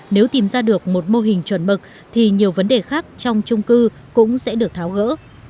nếu tìm ra được một mô hình chuẩn mực thì nhiều vấn đề khác trong trung cư cũng sẽ được tháo gỡ